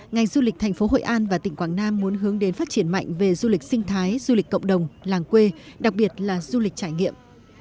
ngành du lịch thành phố hội an và tỉnh quảng nam muốn hướng đến phát triển mạnh về du lịch sinh thái du lịch cộng đồng làng quê đặc biệt là du lịch trải nghiệm